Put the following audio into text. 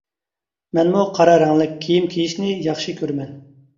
مەنمۇ قارا رەڭلىك كىيىم كىيىشنى ياخشى كۆرىمەن.